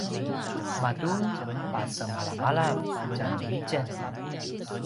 matu pasemalamalav tjanuitjen